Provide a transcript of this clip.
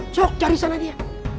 sok cari sana dia